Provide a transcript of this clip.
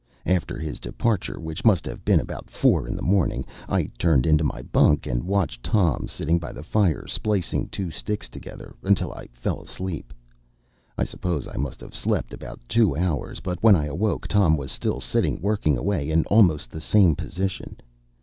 After his departure, which must have been about four in the morning, I turned into my bunk and watched Tom sitting by the fire splicing two sticks together, until I fell asleep. I suppose I must have slept about two hours; but when I awoke Tom was still sitting working away in almost the same position.